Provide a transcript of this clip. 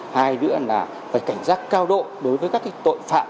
hai nữa là phải cảnh giác cao độ đối với các tội phạm